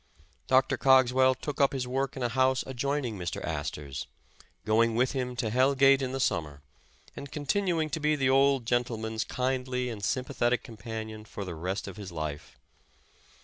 Dr. Cogswell took up his work in a house adjoining Mr. Astor 's, go ing with him to Hell Gate in the summer, and con tinuing to be the old gentleman's kindly and sympa thetic companion for the rest of his life.